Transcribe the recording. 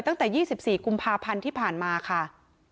ตั้งแต่๒๔กุมภาพันธ์ที่ผ่านมาค่ะ